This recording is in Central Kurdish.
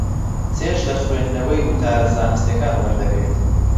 چێژ لە خوێندنەوەی وتارە زانستییەکان وەردەگرێت.